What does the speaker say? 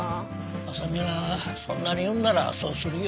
麻美がそんなに言うんならそうするよ。